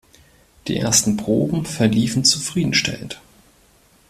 Die ersten Proben verliefen zufriedenstellend.